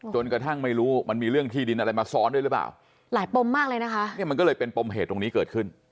กระทั่งไม่รู้มันมีเรื่องที่ดินอะไรมาซ้อนด้วยหรือเปล่าหลายปมมากเลยนะคะเนี่ยมันก็เลยเป็นปมเหตุตรงนี้เกิดขึ้น